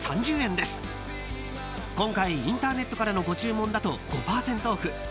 ［今回インターネットからのご注文だと５％オフ］